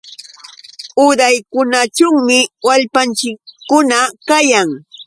Uraykunaćhuumi wallpanchikkuna kayan.